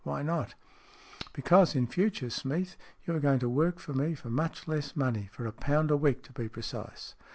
Why not ?" "Because, in future, Smeath, you are going to work for me for much less money for a pound a week, to be precise."